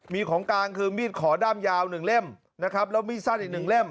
มีของกลางคือมีดขอด้ามยาว๑เล่มนะครับแล้วมีดสั้นอีกหนึ่งเล่ม